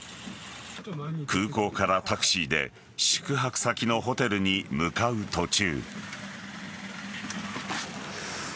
空港からタクシーで宿泊先のホテルに向かう途中。